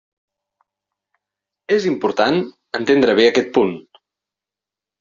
És important entendre bé aquest punt.